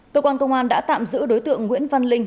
cơ quan công an đã tạm giữ đối tượng nguyễn văn linh